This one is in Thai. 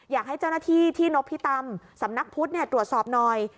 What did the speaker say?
อยากให้เจ้าหน้าที่ที่นพิตำสำนักพุทธตรวจสอบหน่อย